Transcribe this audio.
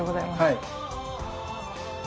はい。